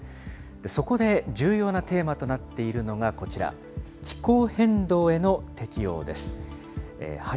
そこで重要なテーマとなっているのがこちら、気候変動への適応です。